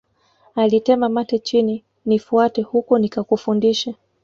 Alitema mate chini nifuate huku nikakufundishe